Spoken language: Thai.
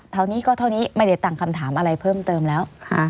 เท่านี้ก็เท่านี้ไม่ได้ตั้งคำถามอะไรเพิ่มเติมแล้ว